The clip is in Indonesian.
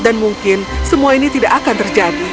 dan mungkin semua ini tidak akan terjadi